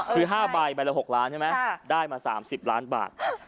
คือ๕ใบใบละ๖ล้านใช่ไหมได้มา๓๐ล้านบาท